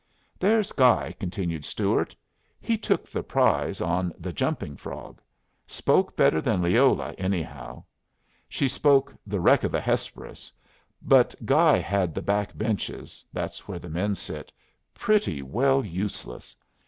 "There's Guy," continued Stuart. "He took the prize on 'The Jumping Frog.' Spoke better than Leola, anyhow. She spoke 'The Wreck of the Hesperus.' But Guy had the back benches that's where the men sit pretty well useless.